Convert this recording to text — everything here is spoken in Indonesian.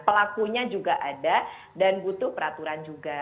pelakunya juga ada dan butuh peraturan juga